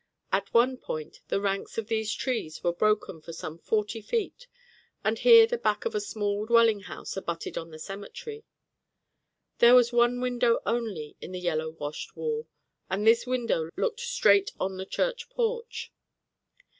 At one point the ranks of these trees were broken for some forty feet, and here the back of a small dwelling house abutted on the cemetery. There was one window only in the yellow washed wall, and this window looked straight on the church porch.